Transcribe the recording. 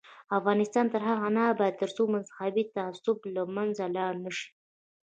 افغانستان تر هغو نه ابادیږي، ترڅو مذهبي تعصب له منځه لاړ نشي.